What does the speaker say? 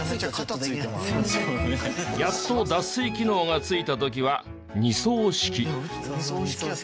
やっと脱水機能がついた時は二槽式。